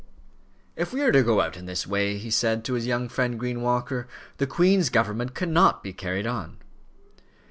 "If we are to go on in this way," he said to his young friend Green Walker, "the Queen's government cannot be carried on."